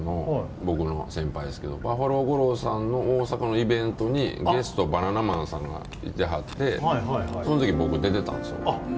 僕の先輩ですけどバッファロー吾郎さんの大阪のイベントにゲスト、バナナマンさんがいてはってその時僕、出てたんですよ。